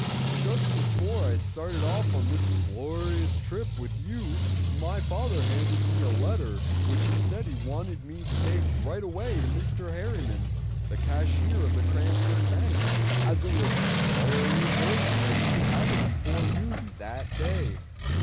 "Just before I started off on this glorious trip with you my father handed me a letter which he said he wanted me to take right away to Mr. Harriman, the cashier of the Cranford Bank, as it was very important that he should have it before noon that day.